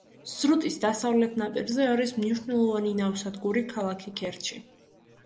სრუტის დასავლეთ ნაპირზე არის მნიშვნელოვანი ნავსადგური ქალაქი ქერჩი.